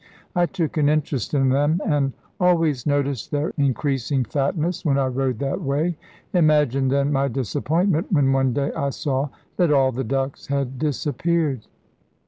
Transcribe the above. I took an interest in them, and always noticed their increasing fatness when I rode that way. Imagine, then, my disappointment when one day I saw that all the ducks had disappeared.